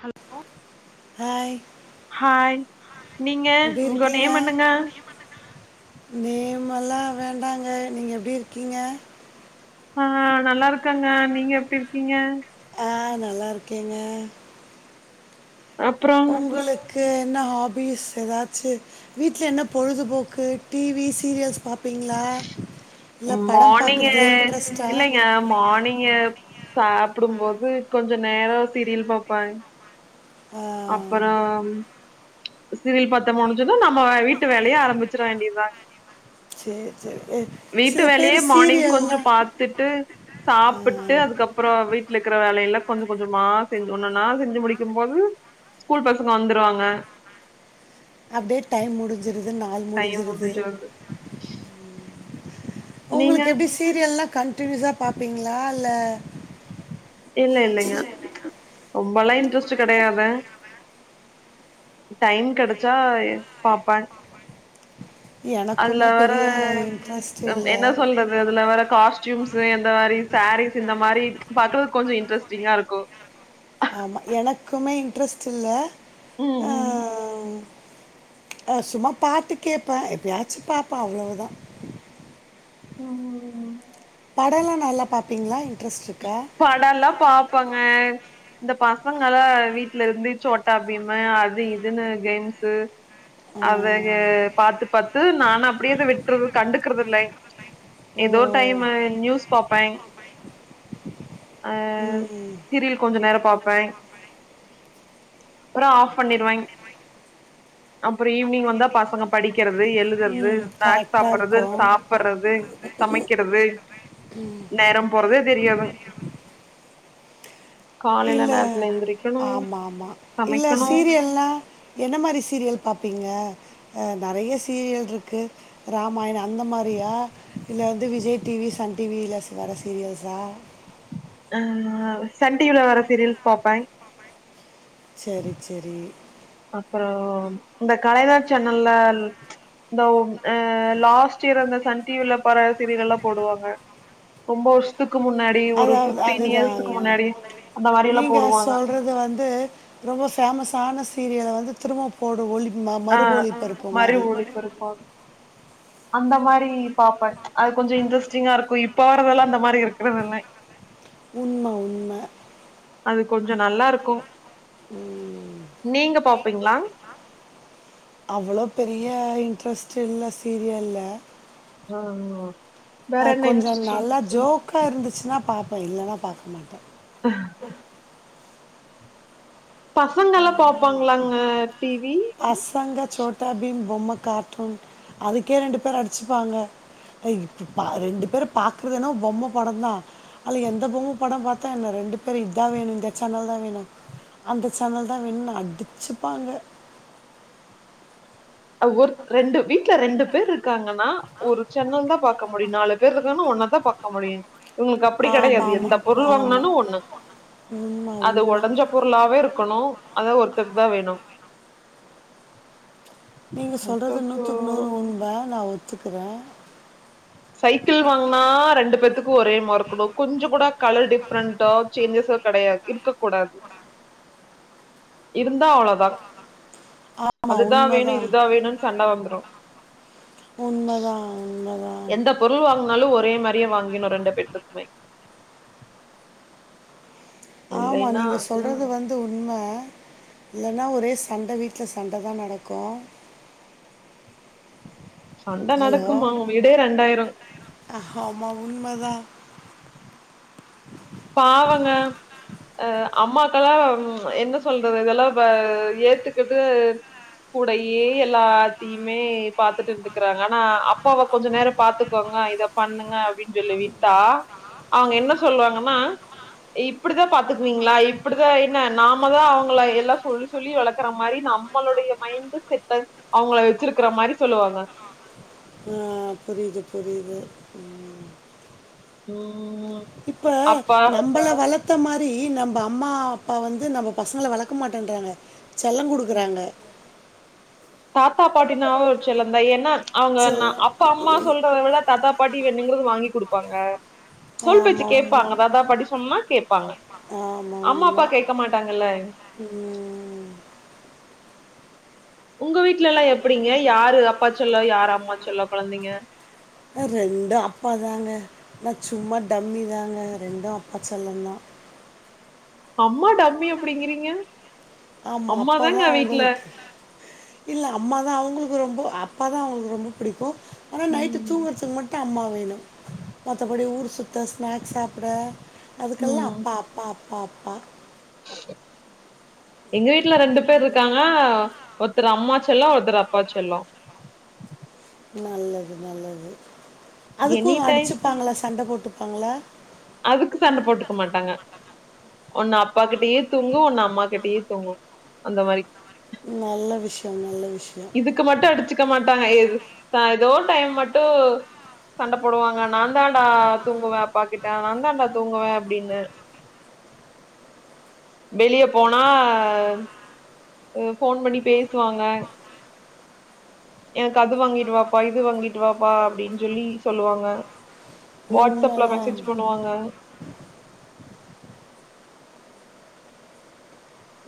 Hello hi நீங்க எப்படி உங்க நேம் என்னங்க நேம்ல்லா வேண்டாங்க நீங்க எப்பிடி இருக்கீங்க ஆ நல்லா இருக்கங்க நீங்க எப்பிடி இருக்கீங்க ஆ நல்லா இருக்கேங்க அப்றோ உங்களுக்கு இன்ன ஹாபீஸ் எதாச்சி வீட்ல என்ன பொழுதுபோக்கு டிவி சீரியல்ஸ் பாப்பீங்களா மார்னிங்க இல்லைங்க மார்னிங்க சாப்புடும்போது கொஞ்ச நேரோ சிரியல் பாப்பாங் அப்புறோ சிரியல் பத்த முடிஞ்சதும் நம்ம வீட்டு வேலைய ஆரம்பிச்சிட வேண்டியதுதா சரி சரி எ, வீட்டு சில வேலையே பேர் மார்னிங் கொஞ்சோ சீரியல்லாம் பாத்துட்டு சாப்புட்டு அதுக்கப்புறோ வீட்ல இருக்கிற வேலைல்லா கொஞ்ச கொஞ்சமா செஞ்சு ஒன்னு ஒன்னா செஞ்சு முடிக்குபோது ஸ்கூல் பசங்க வந்துருவாங்க அப்பிடியே டைம் முடிஞ் சிருது நாள் முடிஞ்சிருது நீங்க உங்களுக்கு எப்பிடி சீரியல்லெலா கண் டினியுசா பாப்பீங்களா இல்ல இல்ல இல்லைங்க ரொம்பெல்லா இன்ட்ரெஸ்ட் கெடையாது டைம் கிடைச்சா பாப்பன் அதுல எனக்குமே வேற பெரிய இன்ட்ரெஸ்ட் என்ன இல்லை சொல்றது அதுல வேற காஸ்டியூம்ஸ் எந்த மாரி சாரீஸ் இந்த மாரி பாத்து கொஞ்ச இன்ட்ரெஸ்டிங்கா இருக்கு ஆமா எனக்குமே இன்ட்ரெஸ்ட் இல்ல ம் அ ம் அ சும்மா பாட்டு கேடப்பே எப்பியாச்சு பாப்ப அவ்ளவுதா ம் ம் ம் படல்லா நல்ல பாப்பீங்களா இன்டரஸ்ட் இருக் படல்லா பாப்பாங்க இந்த பச இவங்கல்லா வீட்ல இருந்து சோட்டா பீமு அது இதுன்னு கேம்ஸ் ஆ. அத ஏ பாத்து பத்து நானு அப்பிடியேத விட்டறது கண்டுக்குறதில்ல ஓ! எதோ ஒரு டைம் நியூஸ் பாப்பே அ ம். சீரியல் கொஞ்ச நேரோ பாப்பேங் அப்புறோ ஆஃப் பண்ணிருவேங் அப்புறோ ஈவினிங் வந்தா பசங்க படிக் படிக்கிறது ம். எழுதுறது ஸ்நேக்ஸ் கரெக்ட்டா சாப்படுறது இருக்கும். சாப்படுறது சமைக்கிறது நேரம் போறதே தெரியாதுங் இல்ல நேரத்துல எந்திரிக்கணு ஆமா ஆமா இல்ல சமைக்கணு சீரியல்னா என்ன மாரி சீரியல் பாப்பீங்க அ நறைய சீரியல் இருக்கு ராமாயணோ அந்த மாரியா இல்ல வந்து விஜய் டிவி சன் டிவில்லஸ் வர சீரியல்ஸா அ சன் டிவில வர சீரியல்ஸ் பாப்பேங் சேரி சேரி அப்புறோ இந்த கலைஞர் சேனல்லால் இந்த அ லாஸ்ட் இயர் அந்த சன் டிவில பற சீரியல் எல்லா போடுவாங்க ரொம்ப வருஷத்துக் அதா அதுதாங்க முன்னாடி அந்த மாரி எல்லா நீங்க போடுவாங்க சொல்றது வந்து ரொம்ப பேமஸ் தான சீரியல வந்து திரும்ப போடு ஒளி ம ஆ மறுபொழிப்பருப்பு மறு மாதிரி ஒலிபரப்பாகு அந்த மாரி பாப்பங் அது கொஞ்சோ இன்ட்ரஸ்டிங்கா இருக்கு இப் போறதெல்லா அந்தம் உண்ம உண்ம அது கொஞ்சோ நல்லாருக்கு ம் ப்பீங்களா அவ்ளோ பெரிய இன்ட்ரஸ்ட் இல்ல சீரியல்ல அ ஆமா அ கொஞ்சோ நல்லா ஜோக்கா இருந்துச்சுன்னா பாப்ப இல்லன்னா பாக் பாக்க மாட்ட ம் பசங்கல்லா பாப்பாங்களாங்க டிவி பொம்ம கார்டூன் அதுக்கே ரெண்டு பேர் அடுச்சுப்பாங்க ரெண்டு பேரு பாக்குறதுனா பொம்ம படந்தா அதுல எந்த பொம்ம படோம் பாத்தா என்ன ரெண்டு பேர் இதா வேணு இந்த சேனல்தா வேணு அந்த சேனல்தா வேணுன் அடுச்சுப்பாங்க ஆ ஒர் ரெண்டு வீட்ல ரெண்டு பேர் இருக்காங்கன்னா ஒரு சென்னல் தா பாக்க முடியு நாலு பேர் இருக்காங்கன்னா ஒன்ன தா பாக்க முடியிங் இவங்களுக்கு அப்டி ஆமாம் கெடையாது ஆமாம் எந்த பொருள் வாங்னாளு ஆமாம் ஒண்ணு உண்மை அது உண்மை ஒடஞ்ச பொருளாவே இருக்கணு அதா ஒருத்தர்க்தா வேணும் நீங்க சொல்றது நூத்துக்கு நூறு உண்ம நா ஒத்துக்குற சைக்கிள் வாங்கனா ரெண்டு பேருத்துக்கு ஒரே மார் இருக்கணு கொஞ்சோ கூட கலர் டிஃப்ரெண்டோ சேஞ்சஸோ கெடையாது இருக்கக் கூடாது இருந்தா அவ்ளோதா ஆமாம் அதுதா வேணு உண்மைதான் இதுதா வேணுன் சண்ட வந்துரு உண்மைதான் உண்மைதான் எந்த பொருள் வாங்குனாலு ஒரே மாரியே வாங்கிரனு ரெண்டு பேர்த்துக்குமே ஆமா இல்லைன்னா நீங்க சொல்றது வந் து உண்ம இல்லன்னா ஒரே சண்ட வீட்ல சண்டதா நடக்கு சண்ட ஹலோ நடக்குமா வீடே ரெண்டாயிரு ஆமா உண்மதா பாவங்க ஆ அம்மாக்கெல்லா ம் என்ன சொல்றது இதெல்லா பா ஏத்துக்கிட்டு கூடயே எல்லாத்தையுமே பாத்துட்டு இருந்துக்கிறாங்க ஆனா அப்பாவ கொஞ்ச நேரோ பாத்துக்கோங்க இத பண்ணுங்க அப்டின்னு சொல்லி விட்டா அவங்க என்ன சொல்லுவாங் கன்னா இப்பிடிதா பாத்துக்குவீங்களா இப்பிடிதா என்ன நாமதா அவங்கள எல்லா சொல்லி சொல்லி வளக்கற மாரி நம்மளுடைய மைண்டு செட்ட அவங்கள வெச்சிருக்கிற மாரி சொல்லுவாங்க ஆ புரியுது புரியுது ம் ம் இப்ப அப்பா நம்பள வள த்த மாரி நம்ப அம்மா அப்பா வந்து நம்ம பசங்கள வளக்க மாட்டேன்றாங்க செல்லங் குடுக்குறாங்க தாத்தா பாட்டினாவே ஒரு செல்லந்தா ஏன்னா அவங்க ஏன்னா செல்லம் அப்பா அம்மா சொல்றத விட தாத்தா பாட்டி வேணுங்கறது வாங்கி குடு ப்பாங்க சொல் பேச்சு ஆமா உண்ம. கேப்பாங்க தாத்தா பாட்டி சொன்னா கேப்பாங்க ஆமா அம்மா உண்ம. அப்பா கேக்க மாட்டாங்கல்ல ம். உங்க வீட்ல எல்லா எப்படிங்க யாரு அப்பா செல்லோ யாரு அம்மா செல்லோ கொழந்தைங்க நா சும்மா டம்மிதாங்க ரெண்டு அப்பா செல்லந்தா அம்மா டம்மி அப்பிடிங்கிறீங்க ஆமா அப்பாதா அவுங்களுக்கு இல்ல அம்மாதா அவுங்களுக்கு ரொம்போ அப்பாதா அவங்களுக்கு ரொம்போ புடிக்கு ஆனா நைட்டு ம் தூங்கறதுக்கு மட் டு அம்மா வேணு மத்தபடி ஊர் சுத்த ஸ்நாக்ஸ் சாப்ட அதுக்கெல்லா அப்பா அப்பா அப் பா அப்பா ஹ எங்க வீட்ல ரெண்டு பேர் இருக்காங்க ஒர்த்தரு அம்மா செல்லோ ஒர்த்தரு அப்பா செல்லோ நல்லது நல்லது அதுக்கு எனி டைம் அடிச்சுப்பாங்களா சண்ட போட் கொடுப்பாங்களா அதுக்கு சண்டை போட்டுக்க மாட்டாங்க ஒன்னு அப்பா கிட்டயே தூங்கும் ஒன்னு அம்மா கிட்டயே தூங்கும் அந்த மாதிரி நல்ல விஷயம் நல்ல விஷயம் இதுக்கு மட்டும் அடிச்சக்க மாட்டாங்க ஏது ஏதோ டைம் மட்டும் சண்டை போடுவாங்க நான் தான்டா தூங்குவவேன் அப்டிண்டு நான் தாண்டா தூங்குவேன் அப்படின்னு வெளிய போனா போன் பண்ணி பேசுவாங்க எனக்கு அது வாங்கிட்டுவப்பா இது வாங்கிட்டு வாப்பா அப்படின்னு சொல்லி சொல்லுவாங்க வாட்ஸ்ப்ல உண்மைதான் மெசேஜ் பண்ணுவாங்க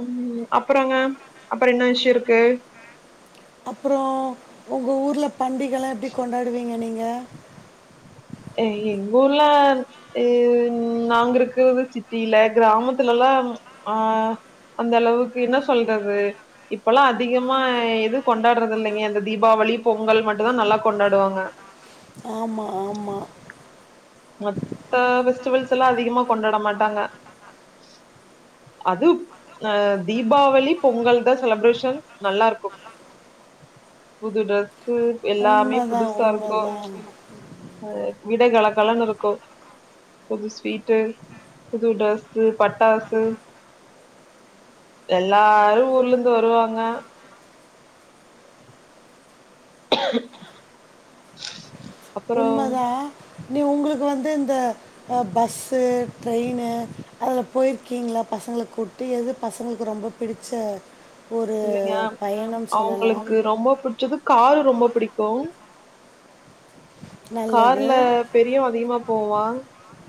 உஹம் அப்புறங்க அப்புறம் என்ன விஷயம் இருக்கு அப்புறம் உங்க ஊர்ல பண்டிகைகலாம் எப்படி கொண்டாடுவீங்க நீங்க இந்த எங்க ஊர்ல ஹ நாங்க இருக்கிறது சிட்டியில கிராமத்துல எல்லாம் அஹ் அந்த அளவுக்கு என்ன சொல்றது இப்பல்லாம் அதிகமா எது கொண்டாடுறது இல்லைங்க அந்த தீபாவளி பொங்கல் மட்டும் தான் நல்லா கொண்டாடுவாங்க ஆமாம் ஆமாம் மத்த பெஸ்டிவல்ஸ் எல்லாம் அதிகமா கொண்டாட மாட்டாங்க அது அஹ் தீபாவளி பொங்கல் தான் செலப்ரேஷன் நல்லா இருக்கும் புது ட்ரெஸ் எல்லாமே உண்மைதான் புதுசா இருக்கும் உண்மைதான் அது வீடே கலகலனு இருக்கும் புது ஸ்வீட்டு புது ட்ரெஸ் பட்டாசு எல்லாரும் ஊர்ல இருந்து வருவாங்க [unintelligible] அப்புறம் உண்மைதான் நீ உங்களுக்கு இங்க வந்து இந்த பஸ்ஸு ட்ரெயினு அதுல போயிருக்கீங்களா பசங்களை கூட்டி எது பசங்களுக்கு ரொம்ப பிடிச்ச ஒரு இல்லைங்க பயணம் சொல்லலாம் அவங்களுக்கு ரொம்ப பிடிச்சது காரு ரொம்ப பிடிக்கும் நல்லது கார்ல பெரியும் அதிகமா போவான்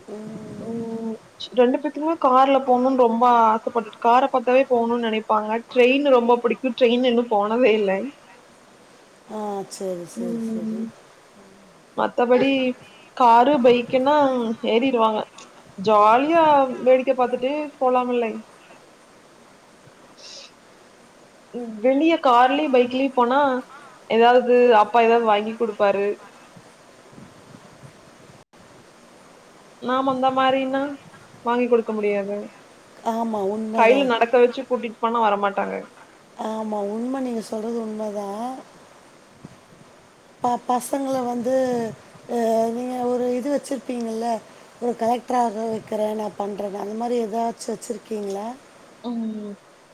ம் உஹம் ரெண்டு பேத்துக்குமே கார்ல போகணும்னு ரொம்ப ஆசைப்பட்டு கார் பார்த்தாவே போகணும்னு நினைப்பாங்க ட்ரெயின் ரொம்ப பிடிக்கும் ட்ரெயின் இன்னும் போனதே இல்லை ஆ சேரி சேரி சேரி மத்தபடி காரு பைக்குன்னா ஏறிடுவாங்க ஜாலியா வேடிக்கை பாத்துட்டு போலாம இல்லை வெளிய கார்லயும் பைக்லயும் போனா ஏதாவது அப்பா எதாவது வாங்கி குடுப்பாரு நாம அந்த மாதிரினா வாங்கி கொடுக்க முடியாது ஆமாம் கையில உண்மைதான் நடக்க வச்சு கூட்டிட்டு போனா வர மாட்டாங்க ஆமா உண்மை நீங்க சொல்றது உண்மைதான் ப பசங்களை வந்துஹ நீங்க ஒரு இது வச்சிருப்பீங்கல்ல ஒரு கலெக்டராக வைக்கிறேன் நான் பண்றேன் அந்த மாதிரி ஏதாச்சு வச்சிருக்கீங்கள உம்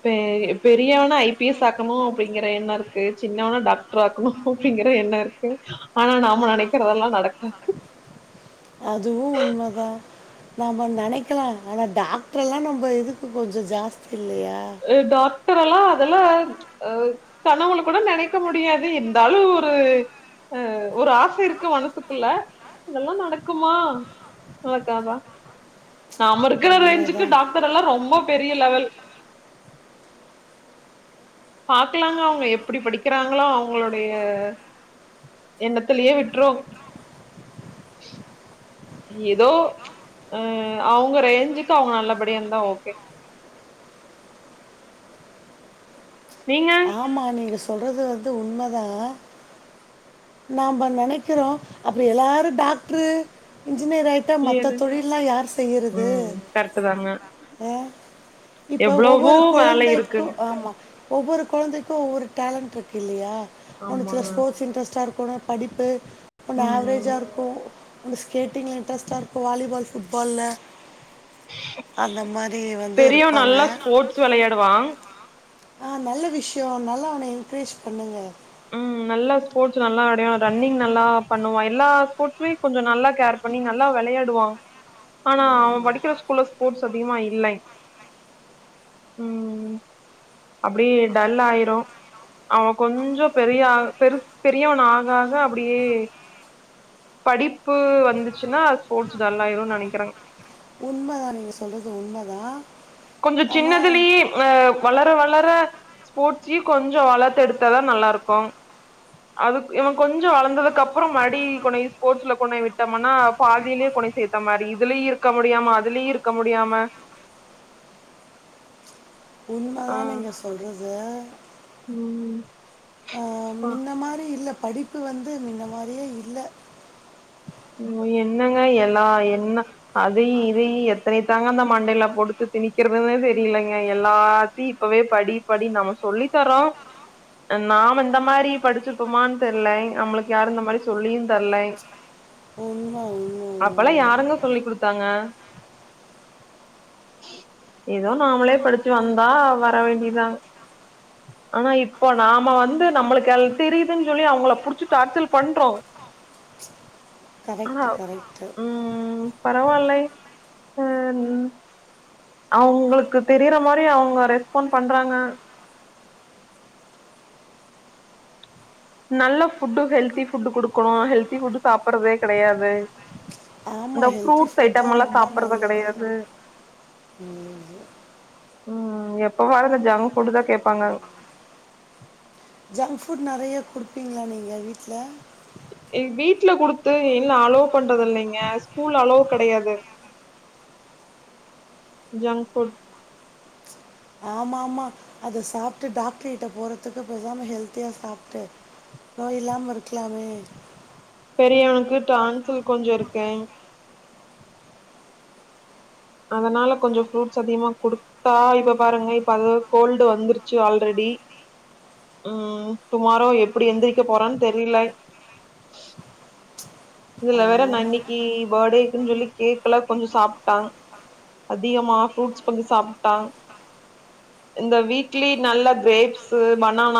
இ பெரியவனை ஐபிஎஸ் ஆக்கணும் அப்படிங்கிற எண்ணம் இருக்கு சின்னவன டாக்டர் ஆக்கணும் அப்படிங்கிற எண்ணம் இருக்கு ஆனா நாம நினைக்கிறதெல்லாம் நடக்காது அதுவு உண்மைதா நம நினைக்கலா ஆனா டாக்டர் எல்லா நம்ம இதுக்கு கொஞ்சோ ஜாஸ்தி இல்லையா அ டாக் டாக்டர் எல்லா அதெல்லா ஆ கனவல கூட நெனைக்க முடியாது இருந்தாலு ஒரு அ ஒரு ஆச இருக்கு மனசுக்குள்ள அதெல்லா நடக்குமா நடக்காதா நாம இருக்கிற ரேஞ்சுக்கு உண்மைதான் டாக்டர் எல்லா ரொம்ப பெரிய லெவல் பாக்கலாங்க அவங்க எப்படி படிக்கிறாங்களோ அவங்களுடைய எண்ணத்திலயே விட்டுறோ ஏதோ ஆ அவங்க ரேஞ்சுக்கு அவங்க நல்லபடியந்தா ஓகே நீங்க ஆமா நீங்க சொல்றது வந்து உண்மதா நம்ப நெனக்கிறோ அப்புறோ எல்லாரு டாக்டரு இன்ஜினியர் ஆயிட்டா மத்த எது தொழில்லா யார் செய்றது ம் கரெக்ட்டு தாங்க அ இப்ப எவ்ளவோ ஒவ்வொரு வேல கொழந்தைக்கு இருக்குங் ஆமா ஒவ்வொரு கொழந்தைக்கு ஒவ்வொரு டேலண்ட் இருக்கு இல்லையா ஒன்னுத்துல ஆமாங்க ஸ்போர்ட்ஸ் இன்ரெஸ்ட்டா இரு போன படிப்பு ஒன்னு ம் ஆவரேஜா இருக்கு ஒன்னு ஸ்கேட்டிங்ல இன்ட்ரெஸ்ட்டா இருக்கு வாலிபால் ஃபுட்பால்ல பெரிய இருப்பாங்க நல்லா ஸ்போர்ட்ஸ் வெளையாடுவா ஆ நல்ல விஷய நல்லா அவன என்கரேஜ் பண்ணுங்க நல்ல ஸ்போர்ட்ஸ் நல்ல ஆடுவ ரன்னிங் நல்லா பண்ணுவா எல்லா ஸ்போர்ட்ஸ்மே கொஞ்சோ நல்லா கேர் பண்ணி நல்லா வெளையாடுவா ஆனா அவ படிக்கிற ஸ்கூல்ல ஸ்போர்ட்ஸ் அதிகமா இல்லை ம் ம் அப்படியே டல் ஆய்டும் அவ கொஞ்சோ பெரிய பெரு பெரியவ ஆகாக அப்டியே படிப்பு வந்துச்சுன்னா ஸ்போர்ட்ஸ் டல்லாயிரு நெனக்கிறேங் உண்மதா நீங்க சொல்றது உண்மதா கொஞ்சோ சின்னதுலேயே ஆ வளர வள வளர ஸ்போர்ட்ஸ்யும் கொஞ்சோ வளத்து எடுத்ததா நல்லா இருக்கு அதுக்கு இவன் கொஞ்சோ வளந்ததுக்கு அப்புறம் மடி கொன ஸ்போர்ட்ஸ்ல கொன விட்டோம்ன்னா பாதியிலே கொன சேத்த மாரி இதுலயு இருக்க முடியாம அதுலயு இருக்க முடியாம ஆ உண்மதா நீங்க சொல்றது ம் ம் இந்த மாரி இல்ல படிப்பு வந்து மின்ன மாரியே இல்ல ஐயோ என்னங்க எல்லா என்ன அதுயு இதயு எத்தனத்தாங்க அந்த மண்டையில பொடுத்து திணிக்கிறதுன்னே தெரியலங்க எல்லாத்தையு இப்பவே படி படி நம்ம சொல்லி தரோ நாம இந்த மாரி படிச்சுப்போமான்னு தெரல நம்மளுக்கு யாரும் இந்த மாரி சொல்லியு தரல உண்மை அப்பெல்லா ஒன்றும் யாருங்க சொல்லி கொடுத்தாங்க எதோ நாமளே படிச்சு வந்தா வர வேண்டியதா ஆனா இப்போ நாம வந்து நம்மளுக்கு அல் தெரியுதுன்னு சொல்லி அவங்க புடிச்சுட்டு டார்சல் பண்றோ கரெக்ட் ஆ கரெக்டு ம் பரவில்லை ஆ ன் அவங்களுக்கு தெரியிற மாரி அவங்க ரெஸ்பாண்ட் பண்றாங்க நல்ல ஃபுட்டு ஹெல்தி ஃபுட்டு குடுக்கணு ஹெல்தி ஃபுட் சாப்பறதே கெடையாது ஆமா இந்த ஹெல்தி ஃப்ரூட்ஸ் ஃபுட் தா ஐட்டம் எல்லாம் ரொம்ப சாப்பறது நல்லது கெடையாது ம் எப்பவாவது இந்த ஜங் ஃபுட்தா கேட்பாங்க ஜங்க் ஃபுட் நறையா குடுப்பீங்களா நீங்க வீட்ல வீட்ல குடுத்து இன்னு அளோ பண்றது இல்லீங்க ஸ்கூல்ல அலோவ் கெடையாது ஜங் ஃபுட் ஆமா ஆமா அது சாப்ட்டு டாக்டர் கிட்ட போறதுக்கு பேசாம ஹெல்த்தியா சாப்ட்டு நோய் இல்லாம இருக்கலாமே பெரியவனுக்கு டான்சில் கொஞ்சோ இருக்கேங் அதனால கொஞ்சோ ஃப்ரூட்ஸ் அதிகமா குடுத்தா இப்ப பாருங்க இப்ப அது கோல்டு வந்துருச்சு ஆல்ரெடி ம் டுமாரோ எப்புடி எந்திரிக்க போறான் தெரியில இதுல வேற நா ஆமா இன்னிக்கி போட்டேக்குன் சொல்லி கேக் எல்லா கொஞ்சோ சாப்ட்டாங் அதிகமா ஃப்ரூட்ஸ் கொஞ்சோ சாப்ட்டாங் இந்த வீட்லயே நல்லா கிரேப்ஸ்ஸு பனானா